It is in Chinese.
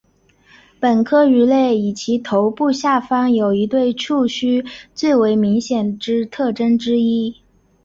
本科鱼类以其头部下方有一对触须为最明显之特征之一。